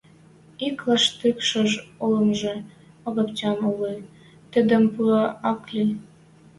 Ик лаштык шож олымжы Огаптян улы, тӹдӹм пуде ак ли.